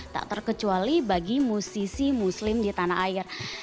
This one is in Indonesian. tak terkecuali bagi musisi muslim di tanah air